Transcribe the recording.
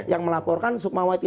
yang melaporkan sukmawati